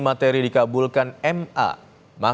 menjadi terhitung sejak penetapan calon peserta pilkada